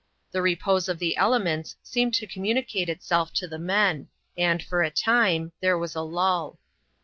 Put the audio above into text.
The repose of the elements seemed to communicate itself to the men; and, for a time, there was a lull.